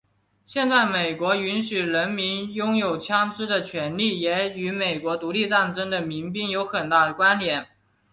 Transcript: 现在美国允许人民拥有枪枝的权利也与美国独立战争的民兵有很大关联。